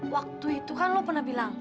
waktu itu kan lo pernah bilang